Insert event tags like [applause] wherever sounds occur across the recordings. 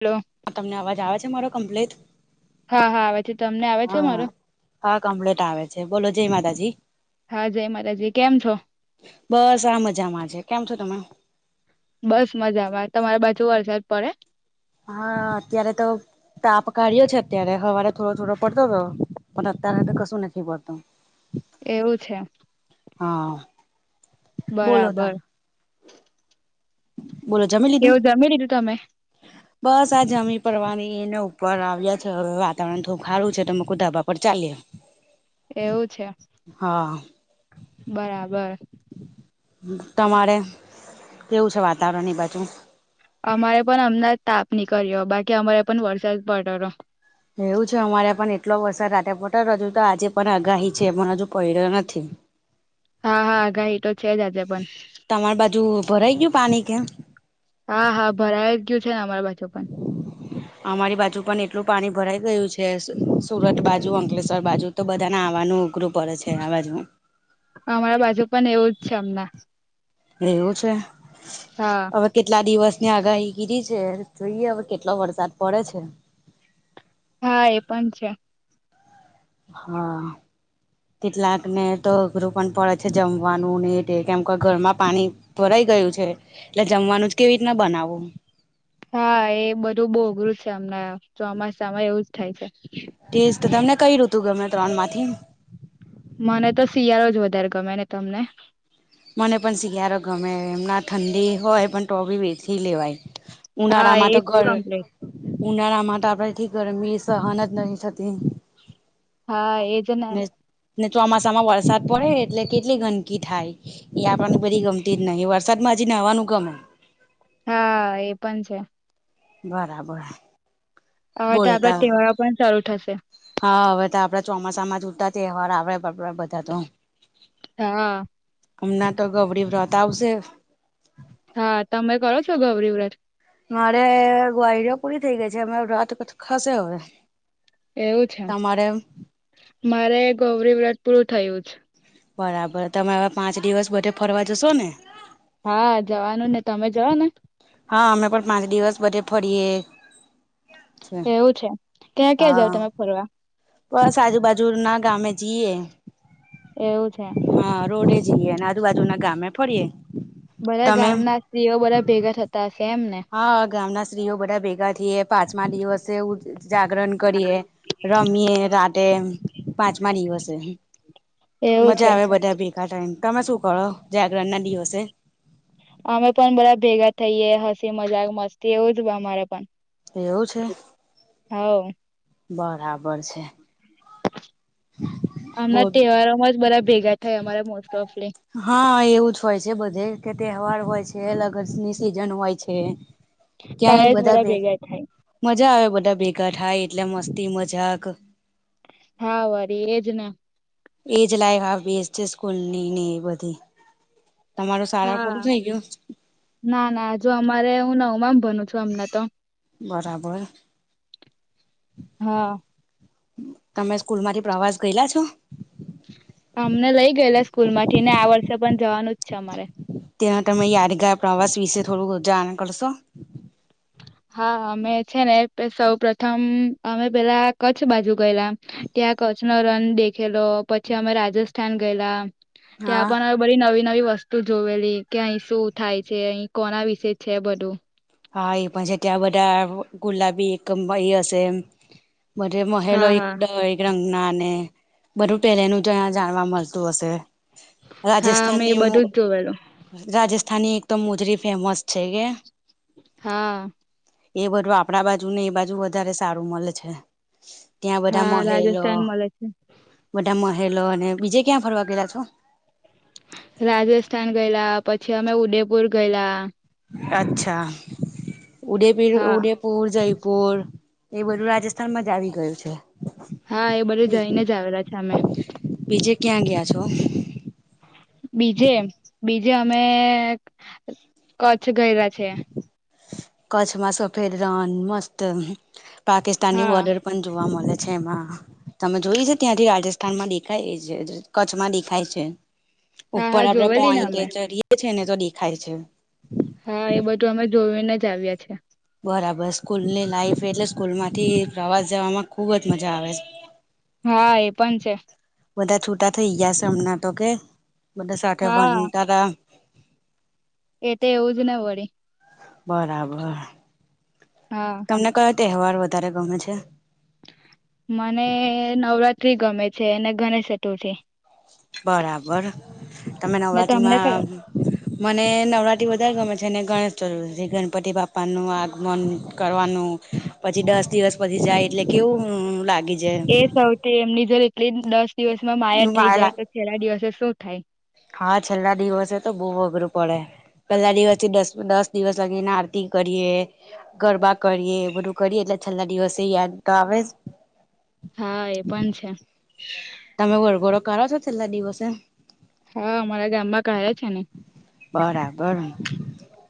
Hello તમને અવાજ આવે છે મારો કમ્પ્લેટ હા હા આવે છે તમને આવે છે મારો હા કમ્પ્ટ આવે છે બોલો જય માતાજી હા જય માતાજી કેમ છો બસ આ મજામાં છે કેમ છો તમે? બસ મજામાં તમારા પાછુ વરસાદ પડે હા અત્યારે તો તાપ કાઢ્યો છે અત્યારે હવારે થોડો થોડો પડતો હતો પણ અત્ય્યારે તો કશું નથી પડતું એવું છે હા બોલો તા બરાબર બોલો જમેી લીધું કેવું જમી લીધું [inaudible] બસ આ જમી પડવાની એને ઉપર આવ્યા છે હવે વાતાવરણ થોડું ખારું છે તમે કુ ધાબા પર ચાએ [inaudible] એવું છે હા બરાબર તમારે કેવું છે વાતાવરણ ની બાજુ અમારે પણ અમણાં તાપ નીકળ્યો બાકી અમારે પણ વરસાદ પડ્યો તો એવું છે અમારે પણ એટલો વરસાદ રાતે પડ્યો હજુ તો આજે પણ આગાહી છે પણ હજુ પડ્યો નથી હા હા આગાઈ તો છે જ આજે પણ તમારી બાજુ ભરાઈ ગયું પાણી કેમ હા હા ભરાઈ ગયું છે ને અમાર બાજુ પણ અમારી બાજુ પણ એટલું પાણી ભરાઈ ગયું છે સુરત બાજુ અંકલેશ્વર બાજુ તો બધાને આવાનું અઘરું પડે છે આબાજમાં અમારા બાજુ પણ એવું જ છે હમણાં એવું છે? હા. હવે કેટલા દિવસની આગાહી કરી દીધી છે જોઈએ હવે કેટલો વરસાદ પડે છે. હા એ પણ છે. હા. કેટલાક ને તો અઘરું પણ પડે છે જમવાનું ને તે કેમ કે ઘરમાં પાણી ભરાઈ ગયું છે એટલે જમવાનું જ કેવી રીતના બનાવવું હા એ બધું બઉ અઘરું છે અમણાં ચોમાસામાં એવું જ થાય છે. તે જ તો તમને કઈ ઋતુ ગમે ત્રણ માંથી મને તો શિયાળો જ વધારે ગમે ને તમને મને પણ શિયાળો ગમે એમના ઠંડી હોય પણ તો બી એસી લેવાય હા ઉનાળામાં તો એજ ઘર કમ્પ્લીટ ઉનાળામાં તો આપડેથી ગરમી સહન જ નહિ થતી હા એજને ને ને ચોમાસામાં વરસાદ પડે એટલે કેટલી ગંદકી થાય. આપડને બધી ગમતી જ નહિ વરસાદ માં હજી નાહવાનું ગમે હા એ પણ છે. બરાબર હવે તો બોલો ત આપડા તહેવારો પણ ચાલુ થઈ જશે હા હવે તો આપડા ચોમાસામાં જ ઉટા તહેવાર આવે બરાબર બધા તો હા. હમણાં તો ગવરી વ્રત આવશે હા તમે કરો છો ગૌરી વ્રત મારે ગૌયરો ઓ પૂરી થઇ ગઈ છે અમેં વ્રત પછી ખસે હવે એવું છે તમારે મારે ગૌરી વ્રત પૂરું થયું છે બરાબર તમે આવા પાંચ દિવસ બધે ફરવા જશો ને હા જવાનું ને તમે જાઓ ને હા અમે પણ પાંચ દિવસ બધે ફરીએ. છે એવું છે ક્યાં ક્યાં જાવ હા તમે ફરવા બસ આજુ બાજુ ના ગામે જઈએ. એવું છે. હા રોડે જઈએ અને આજુબાજુ ના ગામે ફરીએે. બધા ગામના સ્ત્રીઓ બધા ભેગા થતા હશે એમ ને હા ગામના સ્ત્રીઓ બધા ભેગા થઈએ પાંચમા દિવસે જાગરણ કરીએ. રમીએ રાતે પાંચમા દિવસે એવું મજા છે આવે બધા ભેગા થાય તમે શું કરો જાગરણ ના દિવસે અમે પણ બધા ભેગા થઈએે હસી મજાક મસ્તી એવું જ અમારે પણ એવું છે હવ બરાબર છે. આમના બો તહેવારો માં જ બધા ભેગા થાય અમારે મોસ્ટ ઓફ તો હા એવું જ હોય છે બધે કે તહેવાર હોય છે અલગની સિઝન હોય છે. ત્યારે જ બધા ભેગા થાય મજા આવે બધા ભેગા થાય એટલે મસ્તી મજાક હા વરી એજ ને એજ લાઈક હ બેસ છે સ્કૂલ ની ને એ બધી તમારો શાળા પૂરું હા થઈ ગયું ના ના જો અમારે હું નવમામાં ભણું છું અમને તો બરાબર હા તમે સ્કૂલમાંથી પ્રવાસ ગયેલા છો અમને લઈ ગયેલા સ્કૂલ માંથી ને આ વર્ષે પણ જવાનું જ છે અમારે તે્યાં તમે યારગાર પ્રવાસ વિશે થોડું જાણ કરશો હા અમે છે ને સૌ પ્રથમ અમે પેલા કચ્છ બાજુ ગયેલા ત્યાં કચ્છ નો રન દેખેલો પછી અમે રાજસ્થાન ગયેલા ત્યાં હા પણ બધી નવી નવી વસ્તુ જોવેલી કે અહી શું થાય છે અહી કોણા વિશે છે બધું હા એ પણ છે ત્યાં બધા ગુલાબી એક એ હશે એ બધ મહેલો હા એક હા દઇ રંગના અને બધું પહેલેનું જ જાણવા મળતું હશે હા મેં એ રાજસ્થાનનીમું બધું જ જોવેલું રાજસ્થાનની એક તોમ મોજરી ફેમસ છે કે હા એ બધું આપડા બાજુ ને એ બાજુ વધારે સારું મળે છે ત્યાં બધા હા મહેલો રાજસ્થાન મળે છે બધા મહેલો અને બીજે ક્યાં ફરવા ગયેલા છો રાજસ્થાન ગયેલા પછી અમે ઉદયપુર ગયેલા અચ્છા ઉદયપીર હા ઉદયપુર જય પુર એ બધું રાજસ્થાન માં જ આવી ગયું છે હા એ બધું જઈને જ આવેલા છે અમે બીજે ક્યાં ગયા છો બીજે બીજે અમે કચ્છ ગયેલા છે કચ્છમાં સફેદ રન મસ્ત પાકિસ્તાની હા બોર્ડર પણ જોવા મળે છે એમાં તમે જોય છે ત્યાંથી રાજસ્થાન માં દેખાય છે કચ્છમાં દેખાય છે હા ઉપર હા આપડે જોવેલી ને પોઈન્ટ પર અમે ચરીએ છ છે ને તો દેખાય છે હા એ બધું અમે જોઈને જ આવ્યા છે બરાબર સ્કૂલની લાઈફ એટલે સ્કૂલ માંથી પ્રવાસ જમાં ખુબ જ મજા આવે છે હા એ પણ છે બધા છૂટા થઈ ગયા છે હમણાં તો કે બધા સાથે હા વનતા હતા એ તો એવું જ ન વળે બરાબર હા તમને કયો તહેવાર વધારે ગમે છે મને નવરાત્રી ગમે છે અને ગણેશ ચતુર્થી બરાબર તમે ને તમને નવરાત્રીમાં [unintelligible] મને નવરાત્રી વધારે ગમે છે અને ગણેશ ચતુર્થીથી ગણપતિ બાપા નું આગમન કરવાનું પછી દસ દિવસ પછી જાય એટલે કેવું લાગી જાય એ સૌથી એમની જો એટલી દસ દિવસમાં માયા થઈ જાય તો છેલ્લા દિવસે શું થાય હા છેલ્લા દિવસે તો બહુ અઘરું પડે પેલા દિવસ થી દસ દસ દિવસ લાગીને આરતી કરીએ ગરબા કરીએ બધું કરીએ એટલે છેલ્લા દિવસે યાદ તો આવે હા એ પણ છે [unintelligible] તમે વરઘોડો કાઢો છો છેલ્લા દિવસે હા અમારા ગામમાં કાઢે છે ને બરાબર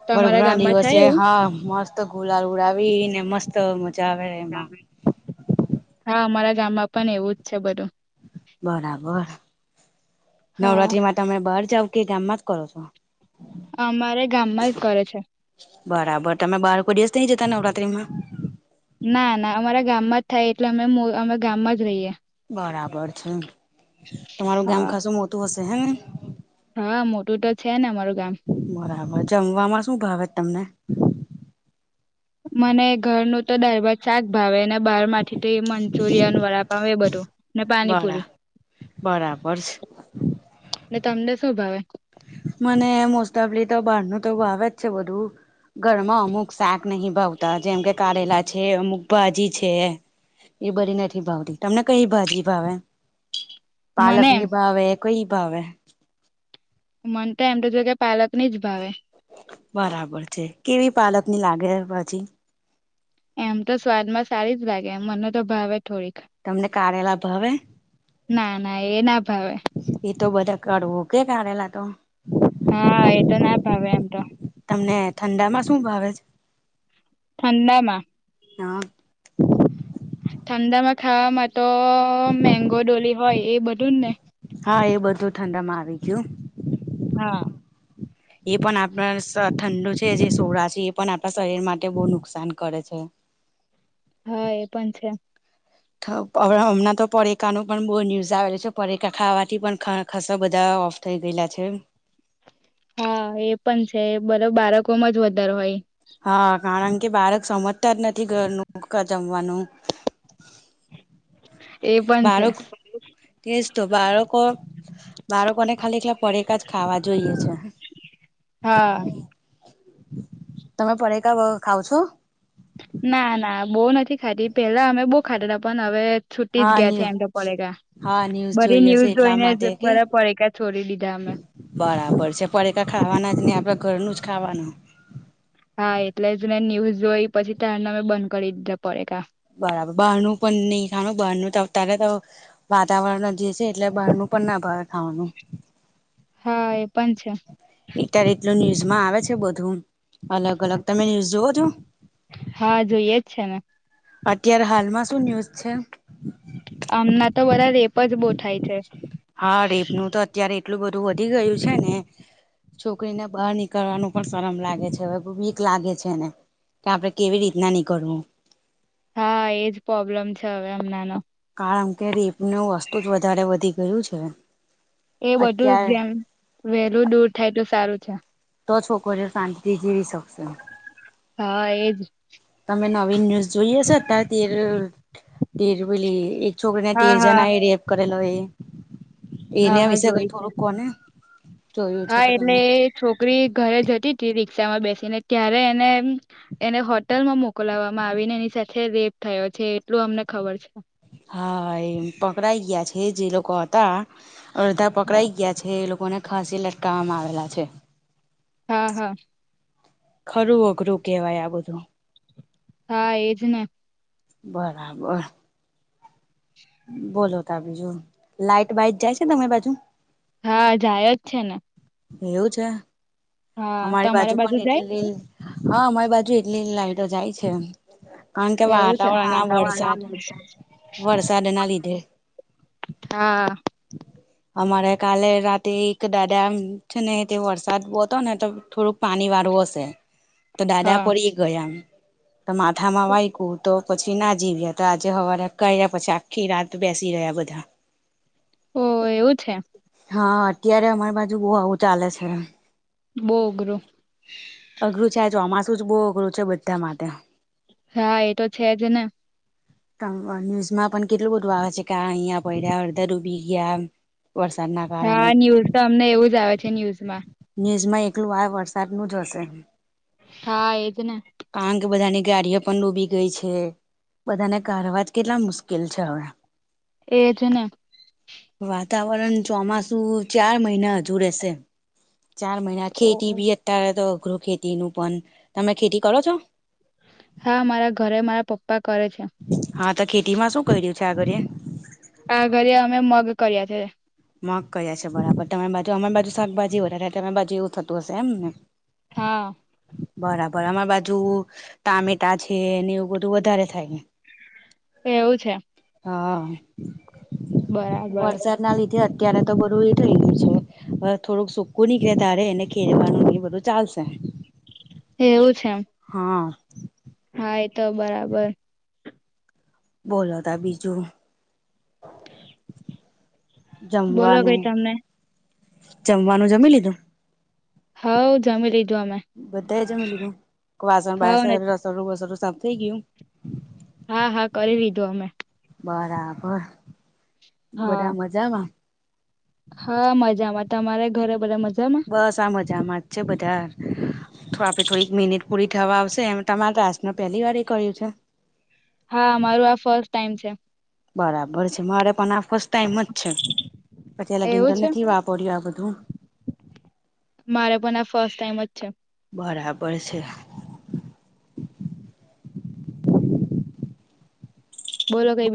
તમારા વરઘોડા ના ગામમાં થાય દિવસે એવું? હા મસ્ત તો ગુલાાલ ઉડાવી ને મસ્ત મજા આવે એમાં હા અમારા ગામમાં પણ એવું જ છે બધું બરાબર હા નવરાત્રીમાં તમે બહાર જાવ કે ગામમાં જ કરો છો અમારે ગામમાં જ કરે છે બરાબર તમે બારકોઈ દિવસ નઈ જતા નવરાત્રી માં ના ના અમારા ગામમાં જ થાય એટલે અમે અમે ગામમાં જ રહીએ બરાબર છે તમારું ગામ હા ખાસું મોટું હશે હેને હા મોટું તો છે ને અમારું ગામ બરાબર જમમાં શું ભાવે તમને મને ઘરનુંું તો દાળ ભાત શાક ભાવે ને બહાર માંથી મંચુરિયાન વડાા પામે એ બધું ને બરા પાણીપુરી બરાબર છે ને તમને શું ભાવે મને મોસ્ટ ઓફલી તો બહાર ન તો ભાવે જ છે બધું ઘરમાં અમુક શાક નહ ભાવતા જેમ કે કારેલા છે અમુક ભાજી છે એ બધી નથી ભાવતી તમને કઈ ભાજી ભાવે પાલક મને ની ભાવે કોઈ ભાવે મનતો એમ તો જો કે પાલક ની જ ભાવે. બરાબર છે કેવી પાલકની લાગે ભાજી? એમ તો સ્વાદમાં સારી જ લાગે એમ મને તો ભાવે થોડીક. તમને કારેલા ભાવે ના ના એ ના ભાવે. એ તો બધા કરવું કે કાઢેલા તો હા એ તો ના ભાવે એમ તો. તમને ઠંડા માં શું ભાવે છે. ઠંડા માં હા. ઠંડા માં ખાવામાં તો મેંગો ડોલી હોય એ બધું જ ને. હા એ બધું ઠંડા માં આવી ગયું. હા. એ પણ આપણા ઠંડુ છે જે સોડા છે એ પણ આપણા શરીર માટે બહુ નુકસાન કરે છે. હા એ પણ છે. હમણાં તો પડેકા ન પણ બહુ ન્યૂઝ આવેલ છે પરેકા ખાવાથી પણ ખાસા બધા થઈ ગયેલા છે. હા એ પણ છે બધો બાળકો માં જ વધારે હોય. હા કારણ કે બાળક સમજતા જ નથી ઘરનું જમવાનું. એ પણ છે બાળક એ જ તો બારકો બાળકોને ખાલી એકલા પડેકા જ ખાવા જોઈએ છે. હા. તમે પડેકા ખાવ છો? ના ના બહુ નથી ખાતી પેલા અમે બહુ ખાતા હતા પણ હવે છૂટી જ હા ગયા છે ન્યૂ એમ તો પડેકા. હા ન્યૂઝ બરી જોઈ હશે ન્યૂઝ એટલા જોઈને માટે કે બધા પડીકા છોડી દીધા અમે. બરાબર છે પડેકા ખાવાના જ નહી આપણા ઘરનું જ ખાવાનું. હા એટલે જ ને ન્યૂઝ જોઈ પછી તારને અમે બંધ કરી દીધા પડેકા. બરાબર બહારનું પણ નહી બહારનું તો અત્યારે તો વાતાવરણ જે છે એટલે બહાર નું પણ ના ભાવે ખાવાનું. હા એ પણ છે. અત્યાર એટલું ન્યુઝમાં આવે છે બધું અલગ અલગ તમે ન્યુઝ જોવો છો? હા જોઈએ જ છે ને. અત્યારે હાલમાં શું ન્યુઝ છે? હમના તો બધા રેપ જ બહુ થાય છે હા રેપનુ તો અત્યારે એટલું બધું વધી ગયું છે ને. છોકરીને બહાર નીકળવાનું પણ શરમ લાગે છે, હવે બીક લાગે છે ને. તો આપણે કેવી રીતના નીકળવું. હા એજ પ્રોબ્લેમ છે હવે હમણાં નો. કારણ કે રેપનું વસ્તુ જ વધારે વધી ગયું છે. એ બધું અત્યારે જેમ વહેલું દૂર થાય તો સારું છે. તો છોકરીઓ શાંતિથી જીવી શકશે. હા એ જ. તમે નવીન ન્યુઝ જોઈ હશે છે અત્યાર તેર ટેરવલે એ છોકરીને હા તેર હા જણાએ રેપ કરેલો એ? હા એના હા વિશે કઈ જોય છે થોડુંક કોને જોયું છે હા તો એટલે તમે. એ છોકરી ઘરે જતી તી રિક્ષામાં બેસીને ત્યારે એને એમ એને હોટલમાં મોકલવામાં આવીને એની સાથે રેપ થયો છે એટલું અમને ખબર છે. હા એ પકડાઈ ગયા છે જે લોકો હતા અડધા પકડાઈ ગયા. છે એ લોકોને ફાંસી એ લટકાવવામાં આવેલા છે. હા હા. ખરું અઘરું કેહેવાય આ બધું. હા એજ ને. બરાબર. બોલો તા બીજું. લાઈટ બાઈટ જાય છે તમે બાજુ? હા જાય જ છે ને. એવું છે? હા અમારી તમારા બાજુ પણ જાય એટલી હા અમારી બાજુ એટલી લાઈટો જાય છે. કારણ કે એવું છે વાતાવરણ હા આ વરસાદ વરસાદના લીધે. હા અમારે કાલે રાતે એક દાદા આમ છે ને તે વરસાદ બહુ હતો ને તો થોડુંક પાણી વાળું હશે. તો દાદા હા પરી ગયા. તો માથામાં વાઈગુ તો પછી ના જીવ્યા તો આજે હવારે કર્યા પછી આ ખી રાત બેસી રહ્યા બધા. ઓહ! એવું છે? હા અત્યારે અમારી બાજુ બહુ આવું ચાલે છે. બહુ અઘરું. અઘરું છે આ ચોમાસું જ બહુ અઘરું છે બધા માટે. હા એ તો છે જ ને. ન્યૂઝમાં પણ કેટલું બધું આવે છે કે આ અહીંયા પડ્યા, અડધા ડૂબી ગયા. વરસાદ ના કાર હા ન્યૂઝ તો અમને એવું જ આવે છે ન્યુઝમાં. ન્યૂઝમાં એકલું આ વરસાદનું જ હશે. હા એજ ને કારણ કે બધાની ગાડીઓ પણ ડૂબી ગઈ છે. બધાને કારવા જ કેટલા મુશ્કેલ છે હવે. એજ ને. વાતાવરણ ચોમાસું ચાર મહિના હજુ રેશે. ચાર મહિના ખેતી ભી અત્યારે તો અઘરું ખેતીનું પણ. તમે ખેતી કરો છો? હા મારા ઘરે મારા પપ્પા કરે છે. હા તો ખેતી માં શું કર્યું છે આ ઘડીએ? આ ઘડીએ અમે મગ કર્યા છે. મગ કર્યા છે બરાબર. તમારી બાજુ અમારી બાજુ શાકભાજી વધારે તમારી બાજુ એવું થતું હશે એમ ને? હા બરાબર. અમારી બાજુ ટામેટા છે ને એવું બધું વધારે થાય હે. એવું છે હા બરાબર વરસાદ ના લીધે અત્યારે તો બધું એ થઇ ગયું છે થોડુંક સકું નીકળે તારે એને ખેરવાનું ન બધું ચાલશે એવું છે હા હા એ તો બરાબર બોલો ત બીજું બોલો જમવાનું કઈ તમને જમવાનું જમી લીધું હા જમી લઈજ આમે બધા જમી લીધું વાસણ હવ ને બાસર રસોડું વસડું સાફ થઈ ગયું. હા હા કરી લીધું અમે બરાબર હા બધા મજામાં હા મજામાં તમારે ઘરે બધા મજામાં બસ આ મજા મત છે બધાર તો આપડે થોડીક મિનિટ પૂરી થવા આવશે એમ તમારે રાસ ન પહેલી વાર એ કર્યું છે હા મારું આ ફર્સ્ટ ટાઈમ છે બરાબર છે. મારે પણ આ ફસ્ટ ટાઈમ જ છે. પછી લગીને એવું છે તમને કેવુ આપર્યું આ બધું. મારે પણ આ ફર્સ્ટ ટાઈમ જ છે. બરાબર છે. બોલો કઈ બી